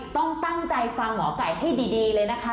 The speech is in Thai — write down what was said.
ต้องตั้งใจฟังหมอไก่ให้ดีเลยนะคะ